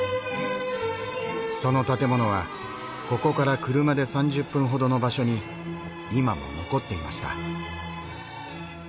その建物はここから車で３０分ほどの場所に今も残っていました。